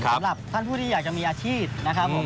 สำหรับท่านผู้ที่อยากจะมีอาชีพนะครับผม